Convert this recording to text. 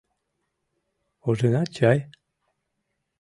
Ужынат чай?